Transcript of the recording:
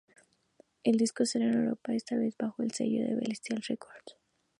El disco sale en Europa, esta vez, bajo el sello de "Bestial Records".